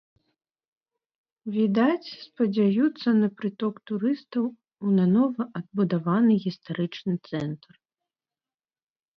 Відаць, спадзяюцца на прыток турыстаў у нанова адбудаваны гістарычны цэнтр.